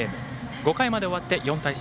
５回まで終わって４対３。